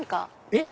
えっ⁉